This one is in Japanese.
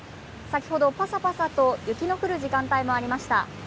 先ほどぱさぱさと雪が降る時間帯もありました。